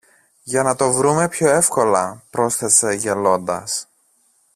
για να το βρούμε πιο εύκολα, πρόσθεσε γελώντας.